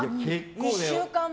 ２週間前。